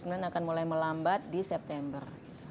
kemudian akan mulai melambat di september